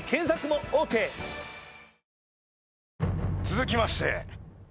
続きまして。